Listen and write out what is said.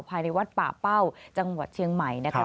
ภายในวัดป่าเป้าจังหวัดเชียงใหม่นะคะ